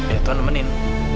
ya tuhan nemenin